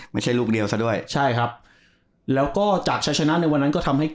ไม่ใช่ลูกเดียวซะด้วยใช่ครับแล้วก็จากชายชนะในวันนั้นก็ทำให้